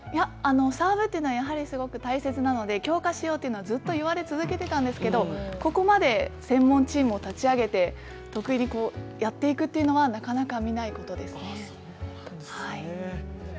サーブというのはやはりすごく大切なので、強化しようというのはずっと言われ続けていたんですけど、ここまで専門チームを立ち上げてやっていくというのは、なかなかそうだったんですね。